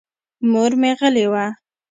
مور مې غلې وه.